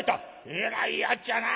えらいやっちゃな」。